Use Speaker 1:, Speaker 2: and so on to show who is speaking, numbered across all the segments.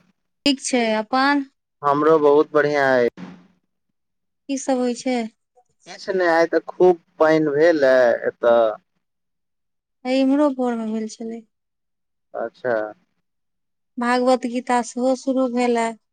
Speaker 1: ह
Speaker 2: ठीक छै अपन
Speaker 1: हमरो बहुत बढ़ियां ये
Speaker 2: की सब होइ छै
Speaker 1: किछु नहि आइ त खूब पानि भेलै एतय
Speaker 2: इम्हरो पोर मे भेल छलै
Speaker 1: अच्छा
Speaker 2: भागवत गीता सेहो शुरू भेलै अइ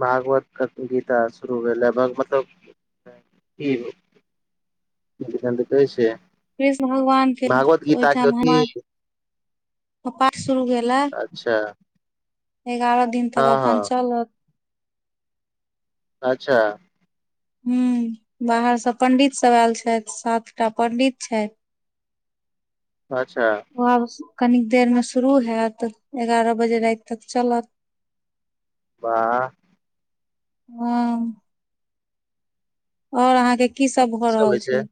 Speaker 1: भागवत के गीता शुरू भेल अइ भाग मतलब अखन त कहै छीये
Speaker 2: कृष्ण भगवान के ओहिठाम
Speaker 1: अथी
Speaker 2: हमरा त पाठ शुरू भेला
Speaker 1: अच्छा
Speaker 2: एगारह दिन
Speaker 1: हँ
Speaker 2: तक
Speaker 1: हँ
Speaker 2: अखन चलत
Speaker 1: अच्छा
Speaker 2: हूं बाहर सऽ पंडित सब आयल छथि सात टा पंडित छथि [inaudible]
Speaker 1: अच्छा
Speaker 2: ओ आब कनिक देर मे शुरू हेऽत एगारह बजे राति तक चलत [inaudible]
Speaker 1: वाह
Speaker 2: हूं आओर अहाँके की सब
Speaker 1: तब
Speaker 2: भऽ रहल
Speaker 1: चलइ छै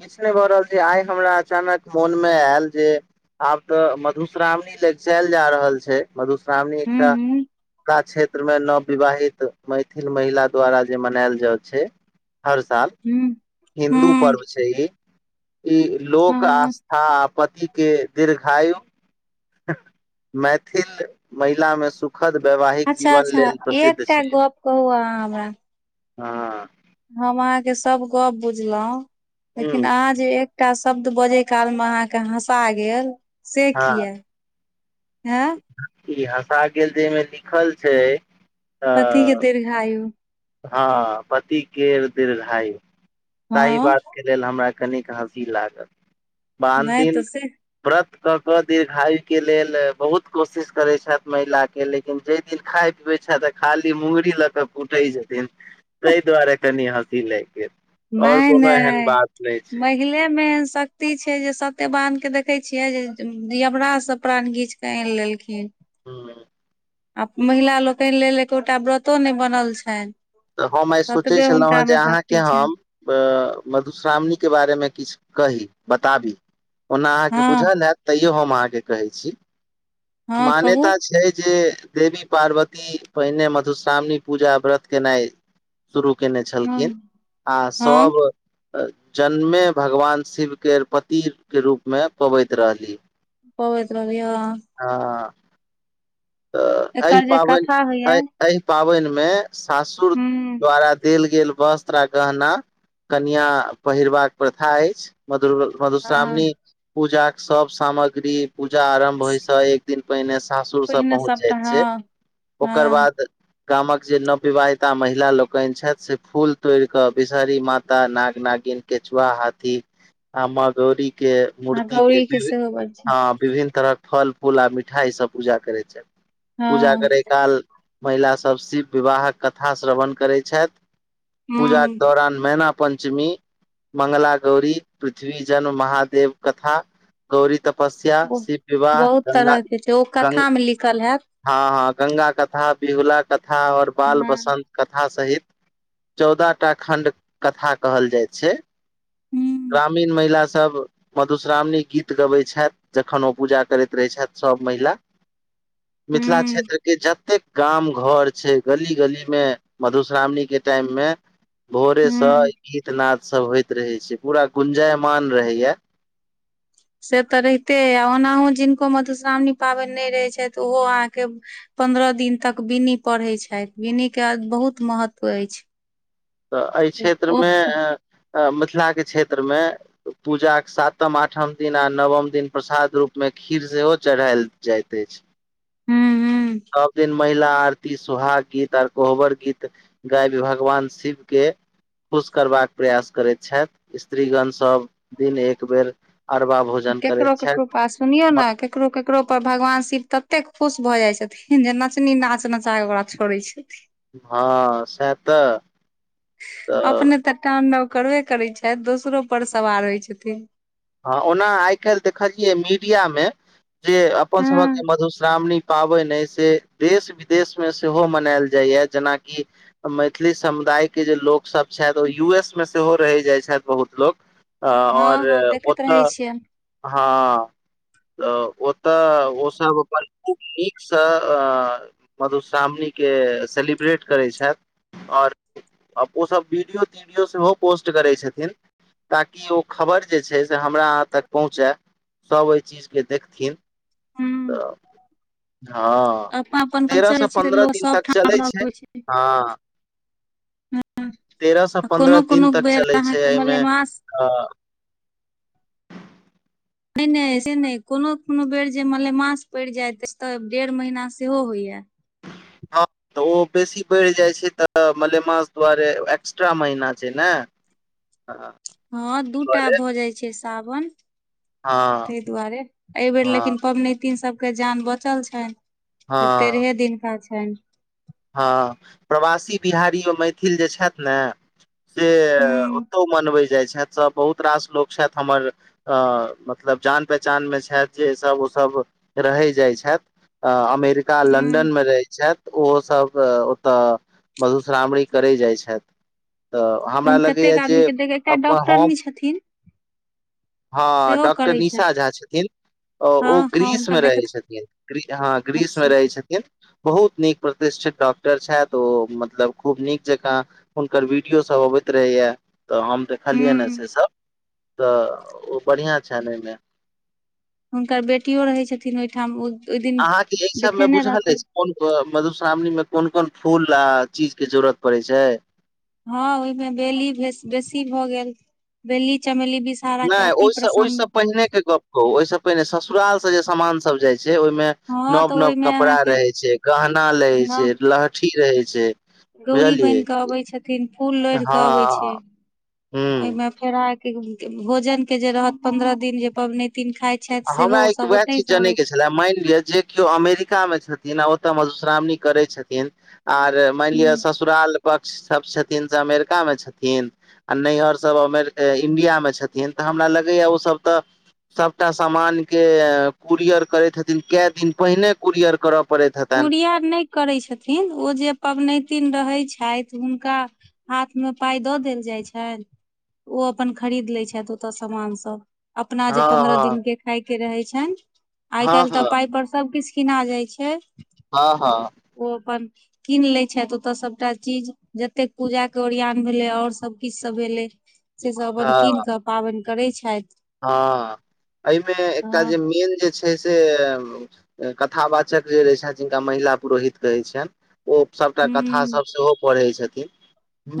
Speaker 1: किछ नय भऽ रहल छै आइ हमरा अचानक मोन मे आयल जे आब तऽ मधुश्रावणी लगिचेऽल जा रहल छै मधुश्रावणी
Speaker 2: हूं
Speaker 1: एकटा
Speaker 2: हूं
Speaker 1: मिथिला क्षेत्र मे नव विवाहित मैथिल महिला द्वारा जे मनेऽल जाय छै हर साल
Speaker 2: हूं
Speaker 1: हिन्दू
Speaker 2: हूं
Speaker 1: पर्व छै ई ई लोक
Speaker 2: हँ
Speaker 1: आस्था आ पति के दीर्घायु मैथिल महिला मे सु खद वैवाहिक
Speaker 2: अच्छा
Speaker 1: जीवन
Speaker 2: अच्छा
Speaker 1: लेल प्रसिद्ध
Speaker 2: एकटा
Speaker 1: छै
Speaker 2: गप कहू अहाँ हमरा
Speaker 1: हँ
Speaker 2: हम अहाँके सब गप बुझलौं
Speaker 1: ह
Speaker 2: लेकिन आहा जे एकटा शब्द बजै काल मे अहाँके हँसा गेल से
Speaker 1: हँ
Speaker 2: किया हें
Speaker 1: ई हँसा गेल जेमे लिखल छै अ
Speaker 2: पति के दीर्घायु
Speaker 1: हँ पति केर दीर्घायु सहि
Speaker 2: हँ
Speaker 1: बात लेल हमरा कनिक हँसी लागल बाह
Speaker 2: नहि तऽ
Speaker 1: दिन
Speaker 2: से
Speaker 1: व्रत कऽ कऽ दीर्घायुके लेल बहुत कोशिश करति छथि महिला के ले किन जै दिन खाय पीबै छथि खाली मुंगरी लऽ कऽ कुटै छथि तै दुआरे कनि हँसी लाइग गेल आओर
Speaker 2: नहि
Speaker 1: कोनो एहन
Speaker 2: नहि
Speaker 1: बात नय छै
Speaker 2: महिले मे एहन शक्ति छै जे सत्यबान के देखे छीयै जे यमराज स प्राण घीच आइन लेलखिन
Speaker 1: हू
Speaker 2: आ महिला लोकनि लेल एकोटा व्रतो नय बनल छनि
Speaker 1: तऽ हम आइ
Speaker 2: ततबे हुनका मे शक्ति छनि
Speaker 1: ह मधुश्रावणी के बारे मे किछ कही बताबी ओना अहाँके
Speaker 2: हँ
Speaker 1: बुझल हेऽत तैयो हम अहाँके कहै छी
Speaker 2: हँ कहू
Speaker 1: मान्यता छै जे देवी पार्वती पहिने मधुश्रावणी पूजा व्रत केनाइ शुरू केने
Speaker 2: हँ
Speaker 1: छलखिन आ
Speaker 2: हँ
Speaker 1: सब जन्मे भगवान शिव के पति के रूप मे पबति रहली
Speaker 2: पबति रहली हं
Speaker 1: हँ तऽ अहि
Speaker 2: एकर जे
Speaker 1: पाबनि
Speaker 2: कथा
Speaker 1: अहि
Speaker 2: होइया
Speaker 1: एहि पाबनि मे सासुर
Speaker 2: हूँ
Speaker 1: द्वारा देल गेल वस्त्र गहना कनिया पहिरबाक प्रथा अछि मधु
Speaker 2: हँ
Speaker 1: मधुश्रावणी पूजा के सब सामग्री पूजा आरम्भ होय छै एक एक दिन पहिने सासुर से
Speaker 2: पहिने
Speaker 1: पहुँच
Speaker 2: सबटा
Speaker 1: जाइत छै
Speaker 2: हँ
Speaker 1: ओकर
Speaker 2: हँ
Speaker 1: बाद गामक जे नब विवाहिताा महिला लोकनि छथि से फूल तोड़ क विषहरी माता नाग नागिन केंचुआ हाथी आ मदौरी के
Speaker 2: आ
Speaker 1: मूर्ति के
Speaker 2: गौरी
Speaker 1: विभ
Speaker 2: सेहो बड़ छै
Speaker 1: हँ विभिन्न तरह फल फूल आ मिठाइ सभ पूजा करैत छै पूजा
Speaker 2: हँ
Speaker 1: करै काल महिला सब शिव विवाहक कथा श्रवण करै छथि पूजा के
Speaker 2: हूँ
Speaker 1: दौरान मैना पञ्चमी मगला गौरी पृथ्वी जन्म महादेव कथा गौरी तपस्या शिव विवाहह ग्गा गा
Speaker 2: मि लिखल हैत
Speaker 1: हँ हँ गंगा कथा बिहुला कथा और बाल
Speaker 2: हूँ
Speaker 1: बसंत कथा सहित चौदह टा खंड कथा कहल जाइ छै
Speaker 2: हूँ
Speaker 1: ग्रामीण महिला सब मधुश्रावणी गीत गबैत छथि जखन ओ पूजा करैत रहैत छथि सभ महिला
Speaker 2: [inaudible]
Speaker 1: मिथिला क्षेत्र के जतेक गाम घर छै गली गली मे मधुश्रावणी के टाइम मे भोरे से
Speaker 2: हूँ
Speaker 1: गीत नाद सब होइत रहे छै पूरा गुंजयमान रहेया
Speaker 2: से तऽ रहिते आ ओनाहु जिनको मधुश्रावणी पाबनि नय रहैत छथि। ओहो अहाँके पन्द्रह दिन तक बिनी पढ़ै छथि। बिनी के बहुत महत्व ऐछ
Speaker 1: तऽ एहि क्षेत्र मे मिथिला के क्षेत्र मे पूजाक सातम आठम दिन आ नवम दिन प्रसाद रूप मे खीर सेहो चढ़ायल जाइत अछ।
Speaker 2: हाँ हाँ
Speaker 1: सब दिन महिला आरती सुहाग गीत आर कोहबर गीत गाय भी भगवान शिव के खुश करबाक प्रयास करैत छथि स्त्रीगण सब दिन एक बेर आरबा भौ
Speaker 2: केकरो केकरो पास सुनियौ न केकरो केकरो पर भगवान शिव तते खुश भ जाय छथिन जे नचनी नाच नचा के ओकरा छोड़ै छथिन
Speaker 1: हँ सएह तऽ।
Speaker 2: अपने तऽ टान्डव करबे करै छथि। दोसरो पर सवार होइ छथिन
Speaker 1: हँ ओना आइ काल्हि देखलियै मीडिया मे। जे अपन
Speaker 2: हँ
Speaker 1: सभक मधुश्रावणी पाबनि अइ से देश विदेश मे सेहो मनायल जाइया जेनाकि मैथिली समुदाय के जे लोक सब छथि। ओ यू एस मे सेहो रहि जाइ छथि बहुत लोक अ ओर
Speaker 2: परहै छिय
Speaker 1: हँ। तऽ ओतय ओसभ अपन खूब नीक सँ अ मधुश्रावणी के सेलिब्रेट करैत छथि ओर आ ओ सब वीडियो तीडियो सेहो पोस्ट करे छथिन ताकि ओ खबर जे छै से हमरा अहाँ तक पहुँचे सब ओहि चीज के देखथिन
Speaker 2: हूँ
Speaker 1: तऽ। हँ
Speaker 2: अपन अपन
Speaker 1: तेरह
Speaker 2: कल्चर
Speaker 1: सँ
Speaker 2: जे छै से
Speaker 1: पन्द्रह
Speaker 2: लोक
Speaker 1: दिन तक चलै छै हँ तेरह सँ
Speaker 2: ह
Speaker 1: पन्द्रह
Speaker 2: कोनो कोनो बेर अहाँ के मलेमास
Speaker 1: हा
Speaker 2: नहि नहि से नहि कोनो कोनो बेर जे मलेमास पड़ि जायत अछि त डेढ़ महीना सेहो होइ ये
Speaker 1: हँ त ओ बेसी बढ़ि जाइ छै त मलेमास दुआरे एक्स्ट्रा महीना छै ने ह
Speaker 2: हँ दूटा भ जाइत छै सावन
Speaker 1: हँ
Speaker 2: तै दुआरे अइ बेर
Speaker 1: हँ
Speaker 2: लेकिन पबनैतिन सभ के जान बचल छनि जे
Speaker 1: हँ
Speaker 2: तेरहे दिनका छनि
Speaker 1: हँ प्रवासी बिहारी ओ मैथिल जे छथि ने से
Speaker 2: हूँ
Speaker 1: ओतो मनबैत जाइत छथि सभ बहुत रास लोक छथि हमर अ मतलब जान पहचान मे छथि जेसभ ओ सभ रहै जाइत छथि अ अमेरिका
Speaker 2: हूँ
Speaker 1: लन्दन मे रहै छथि ओ सभ ओत मधुश्रावणी करे जाइ छथि त हमरा
Speaker 2: हम कतेक
Speaker 1: लगैया जे
Speaker 2: आदमी के देख एकटा
Speaker 1: अपन हम
Speaker 2: डॉक्टरनी छथिन
Speaker 1: हँ
Speaker 2: सेहो
Speaker 1: डॉक्टर
Speaker 2: करै
Speaker 1: निशा
Speaker 2: छथि
Speaker 1: झा छथिन ओ
Speaker 2: हँ हँ
Speaker 1: ग्रीस
Speaker 2: हुनकर
Speaker 1: मे रहै
Speaker 2: देखैत
Speaker 1: छथिन हँ ग्रीस मे
Speaker 2: अच्छा
Speaker 1: रहै छथिन बहुत नीक प्रतिष्ठित डॉक्टर छथि ओ मतलब खूब नीक जेकाँ हुनकर वीडियो सब अबैत रहेया त हम देखलियै ने से
Speaker 2: हूँ
Speaker 1: सब त ओ बढ़िआँ छनि अय मे
Speaker 2: हुनकर बेटियो रहै छथिन ओहिठाम ओ
Speaker 1: अहाँके अय सब मे बुझल अछि कोन को मधुश्रावणी में कोन कोन फूल आ चीज के जरूरत पड़े छै
Speaker 2: हँ ओय मे बेली बेसी भए गेल बेली चमेली दिस
Speaker 1: नय ओय सँ ओय सँ पहिने के गप कहू ओय सँ पहिने ससुराल से जे सामान सब जाइ छै ओय मे
Speaker 2: हँ
Speaker 1: नव
Speaker 2: तऽ
Speaker 1: नव
Speaker 2: ओहिमे
Speaker 1: कपड़ा
Speaker 2: अहाँके
Speaker 1: रहै छै गहना लहय
Speaker 2: नव
Speaker 1: छै लहठी रहय छै
Speaker 2: गौरी बन
Speaker 1: बुझलियै
Speaker 2: के अबै छथिन फूल
Speaker 1: हँ
Speaker 2: लोढ़ के अबै छै ओय
Speaker 1: हूँ
Speaker 2: मे फेरा के भोजन के जे रहत पंद्रह दिन जे पबनैतिन खाइत
Speaker 1: हमरा एक वएह चीज जनय के छले मानि लिअ जे क्यो अमेरिका मे छथिन आ ओतय मधुश्रावणी करय छथिन आर मानि लिय
Speaker 2: छै
Speaker 1: ससुराल पक्ष सब छथिन से अमेरिका मे छथिन आ नैहर सभ अमेर इंडियामे छथिन त हमरा लगैए ओसभ त एकटा समान के कुरियर करे हथिन कै दिन पहिने कुरियर करब
Speaker 2: कुरिया नहि करैत छथिन ओ जे पबनैतिन रहैत छथि हुनका हाथ मे पाय द देल जाइ छै ओ अपन खरीद लै छथि ओतअ सामान सब अपना जे पंद्रह
Speaker 1: हँ
Speaker 2: दिन के खाय के रहे छैन आई
Speaker 1: हँ
Speaker 2: काइल त
Speaker 1: हँ
Speaker 2: पाय पर सब किछ कीना जाय छै हे
Speaker 1: हँ हँ
Speaker 2: ओ अपन कीन लै छथि ओतय सभटा चीज जतेक पूजा के ओरियान भेलै आओर सभ किछु भेलै से सब अपन
Speaker 1: हँ
Speaker 2: कीन क पाबैं करै छथि
Speaker 1: हँ अय मे एकटा
Speaker 2: हँ
Speaker 1: जे मेन जे छै छै से कथाावाचक जे रहै छै जिनका महिला पुरोहित कहैय छैन ओ सभटा कथा
Speaker 2: हूँ
Speaker 1: सब सेहो पढ़ै छथिन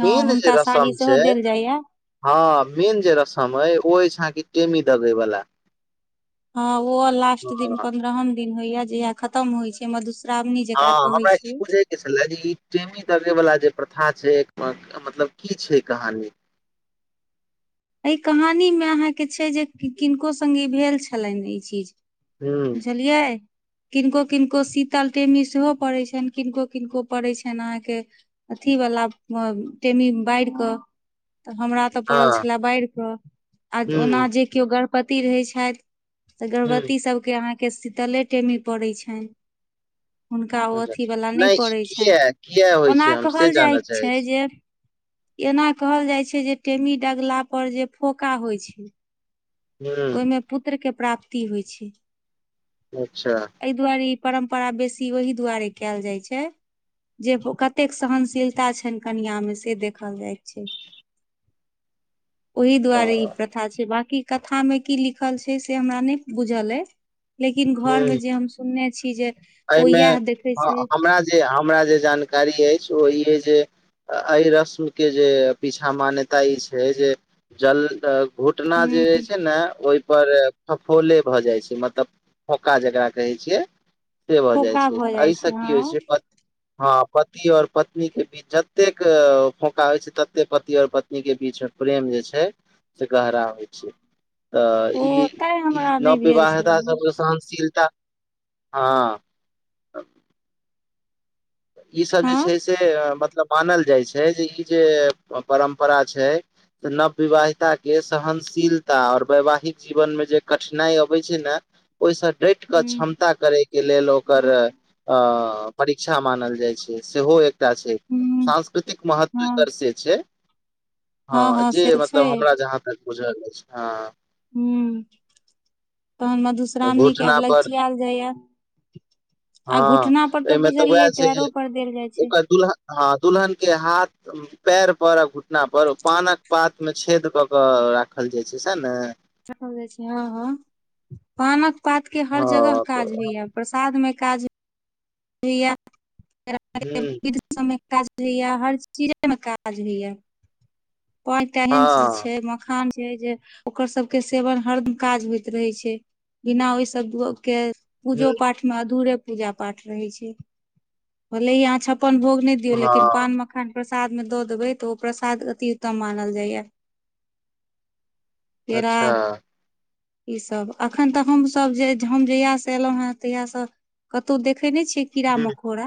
Speaker 2: हँ
Speaker 1: जे
Speaker 2: हुनका
Speaker 1: रसम
Speaker 2: साड़ी सेहो
Speaker 1: छै
Speaker 2: देल जाइया
Speaker 1: हँ मेन जे रसम अय ओ अछि अहाँ के टेमी दगे वला
Speaker 2: हँ ओहो लास्ट दिन
Speaker 1: हँ
Speaker 2: पंन्द्रहम दिन होय जहिया खतम होइ छै मधु श्रावणी जेकरा
Speaker 1: हँ,
Speaker 2: कहै
Speaker 1: हमरा ई
Speaker 2: छै
Speaker 1: बुझे छले जे ई टेमीे दागे वला जे प्रथा छै मतलब की छै कहानी
Speaker 2: यै कहानी में अहाँकेँ छै जे किनको संगे भेल छलैन ई चीज
Speaker 1: हूँ
Speaker 2: बुझलियै किनको किनको शीतल टेमी सेहो पड़ैत छैन किनको किनको पड़ैत छैन अहाँकेँ अथी वला टेमी बाइर कऽ [inaudible] तऽ हमरा तऽ पड़ल
Speaker 1: हँ
Speaker 2: छले बाइर कऽ आ ओना
Speaker 1: हूँ
Speaker 2: जे केओ गर्भवति रहै छैथ तऽ
Speaker 1: हूँ
Speaker 2: गर्भवती सभ केँ अहाँ केँ शीतले टेमी पड़ै छैन हुनका ओ
Speaker 1: अच्छा
Speaker 2: अथीवला नै
Speaker 1: नहि
Speaker 2: पड़ैत छैन
Speaker 1: किया किया होइ
Speaker 2: ओना
Speaker 1: छै हम से
Speaker 2: कहल
Speaker 1: जानऽ
Speaker 2: जाइ
Speaker 1: चाहै
Speaker 2: छै
Speaker 1: छी
Speaker 2: जे एना कहल जाइ छै जे टेमी डगला पर जे फोका होइ छै
Speaker 1: हूँ
Speaker 2: ओइमें पुत्र केँ प्राप्ति होइत छै
Speaker 1: अच्छा
Speaker 2: यै दुआरे ई परम्परा बेसी ओहि दुआरे कैल जाय छै जे उऽ कतेक सहनशीलता छैन कनिआ में से देखल जाइ छै [inaudible] ओहि दुआरे
Speaker 1: तऽ
Speaker 2: ई प्रथा छै बकी क था में की लिखल छै से हमरा नै बुझल यऽ लेकिन
Speaker 1: हूँ
Speaker 2: घर में जे हम सुनने छी जे ओ
Speaker 1: एहिमे
Speaker 2: इहै देखे
Speaker 1: ह-
Speaker 2: छै
Speaker 1: हमरा जे हमरा जे जानकारी ऐछ ओ ई है जे अइ रस्म केँ जे पीछा मान्यता ई छै जे जल्द घुटना जे रहे छै न ओइपर फफोले भऽ जाइ छै मतलब फौका जकरा कहै छियै से भऽ जाइ
Speaker 2: फोका
Speaker 1: छै
Speaker 2: भऽ जाइ
Speaker 1: अइ स की होइ
Speaker 2: हँ
Speaker 1: छै हऽ पति और पत्नी केँ बीच जतेक फोका होइ छै तते पति और पत्नी केँ बीच प्रेम जे छै से गहरा होइ छै तऽ
Speaker 2: ओ
Speaker 1: ई
Speaker 2: तैं
Speaker 1: ई
Speaker 2: हमरा नहि भेल
Speaker 1: नवविवाहिता
Speaker 2: छलए
Speaker 1: सब सहनशीलता [inaudible] ह ईसभ जे
Speaker 2: हँ
Speaker 1: छै से मतलब मानल जाइ छै जे ई जे परम्परा छै नवविवाहिता केँ सहनशीलता और वैवाहिक जीवन में जे कठिनाइ अबै छै न ओइ स डैट कऽ
Speaker 2: हूँ
Speaker 1: क्षमता करे केँ लेल ओकर अ परीक्षा [unintelligible] मानल जाइ छै सेहो एकटा छै सांस्कृतिक महत्व
Speaker 2: हँ
Speaker 1: एकर से छै।
Speaker 2: हँ
Speaker 1: हऽ
Speaker 2: हँ
Speaker 1: जे
Speaker 2: से तऽ छै
Speaker 1: मतलब हमरा जहाँ तक बुझल एछ हँ।
Speaker 2: हु [inaudible] तहन मधुश्रावणी केँ
Speaker 1: घुटना
Speaker 2: आब लगचियाल जाइ यऽ।
Speaker 1: हऽ अय में तऽ उहै छै जे
Speaker 2: पैरो पर देल जाइ
Speaker 1: [inaudible]
Speaker 2: छै
Speaker 1: ओकर दुल्हन हऽ दुल्हन केँ हाथ- पैर पर आ घुटना पर पान कऽ पात में छेद कऽ कऽ राखल जाइ छै सैह न
Speaker 2: राखल जाइ छै हँ हँ [inaudible] पान कऽ पात केँ हर जगह
Speaker 1: हँ तऽ
Speaker 2: काज होइ यऽ प्रसाद में काज [inaudible] होइ यऽ
Speaker 1: ह
Speaker 2: [unintelligible] समय काज होइ यऽ हर चीजे में काज होइ यऽ पाँचटा
Speaker 1: हँ
Speaker 2: एहन चीज छै मखान छै जे ओकर सब केँ सेवन हरदम काज होइत रहे छै बिना ओइ सब ब केँ
Speaker 1: हूँ
Speaker 2: पूजो पाठ में अधूरे पूजा पाठ रहे छै भले ही अहाँ छपन भोग नै दियौ लेकिन
Speaker 1: हँ
Speaker 2: पान मखान प्रसाद में दऽ देबै तऽ ओ प्रसाद अति उत्तम मानल जा यऽ। केेरा।
Speaker 1: अच्छा
Speaker 2: ई सब अखन तऽ हम सब जे हम जहिया से एलौ हे तहिया से कतौ देख, देखे नै छियै कीड़ा
Speaker 1: ह
Speaker 2: मकोड़ा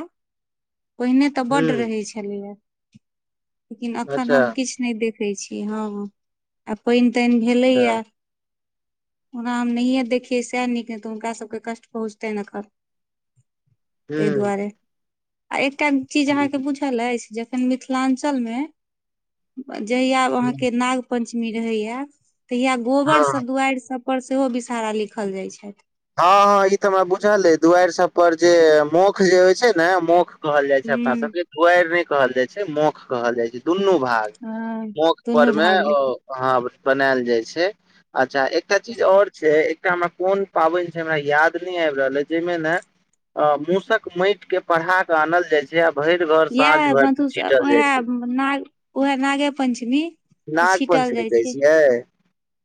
Speaker 2: [inaudible] पहिने तऽ बड
Speaker 1: ह
Speaker 2: रहे छलै यऽ लेकिन एखन
Speaker 1: अच्छा
Speaker 2: हम किछ नै देखै छीयै हऽ हऽ आ पैन तैन
Speaker 1: अच्छा
Speaker 2: भेलैया ओना हम नहिये देखियै सएह नीक नय तऽ हुनका सभके कष्ट पहुँचतै ऐेखन
Speaker 1: ह
Speaker 2: तेए दुआरे आ एकटा चीज अहाँ के बुझ झल ऐछ जखैन मिथलांचंल मे जहिया आब
Speaker 1: हँ
Speaker 2: नाग पञ्चमी रहैया तहिया गोबरसँ दुआइर सब पर सेहो विषहारा लिखल जाय छैथ
Speaker 1: हँ हँ ई तऽ हमरा बुझल अ दुआइर सभ पर जे मोख जे होइ छै ने मख- कहल जाय छै अपना
Speaker 2: हूँ
Speaker 1: सबके दुआएर नय कहल जाइ छै मौख कहल जाय छै दुनू भाग
Speaker 2: हँ
Speaker 1: मौख पर
Speaker 2: दुनू
Speaker 1: मे
Speaker 2: भाग ले
Speaker 1: ओ- ह बस बनायल जाइ छै अच्छा एकटा चीज और छै एकटा हमरा कोन- पाबैन छै हमरा याद नय आइब रहल ऐछ जाइमे ने अ मूसक माइट के पढ़ा आनल जाय छै आ भेर घर साँझ भेर छीटल जाय छै
Speaker 2: नग उह नागे पञ्चमी
Speaker 1: नाग
Speaker 2: छिटल
Speaker 1: पञ्चमी
Speaker 2: जाइ
Speaker 1: कहै
Speaker 2: छै
Speaker 1: छियै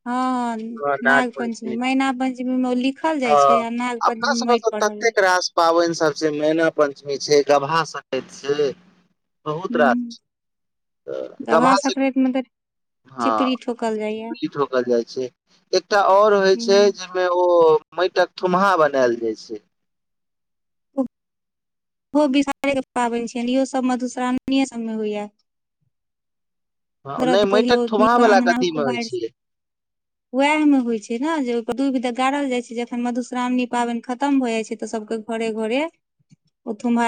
Speaker 2: हँ
Speaker 1: हँ
Speaker 2: नाग पञ्चमी मैना पञ्चमी पंचमी मे लि
Speaker 1: ह अपना समस
Speaker 2: जाइ
Speaker 1: ततेक रास पाबैन सब छै मैना पंचमी छै गभा सक्रंत छै बहुत
Speaker 2: हूँ
Speaker 1: रास तऽ
Speaker 2: गबहा
Speaker 1: गभा-
Speaker 2: संक्रान्ति मे तऽ
Speaker 1: हँ
Speaker 2: चिपरी ठोकल जाइया
Speaker 1: [inaudible] ठोकल जाइ छै एकटा और होइ छै
Speaker 2: हूँ
Speaker 1: जे मे ओ माइटक थुम्हा बनायल जाय छै
Speaker 2: ओहो बिषारेके पाबैन छियन इहोसभ मधुश्रावणीे सभमे होइयै
Speaker 1: हँ
Speaker 2: [inaudible]
Speaker 1: नहि
Speaker 2: घी पहिल
Speaker 1: माटिक
Speaker 2: होत
Speaker 1: ठोबहा
Speaker 2: न
Speaker 1: वाला
Speaker 2: अंगना
Speaker 1: कथी मे
Speaker 2: खूब
Speaker 1: होइ
Speaker 2: बर
Speaker 1: छै
Speaker 2: वएह मे होइत छै न जे दूइभ गाड़ल जाइ छै जखन मधुश्रावणी पाबैन खतम भऽ जाइ छै तऽ सभके- घरे घरे ओ थुमहा